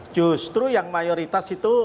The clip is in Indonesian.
justru yang mayoritas itu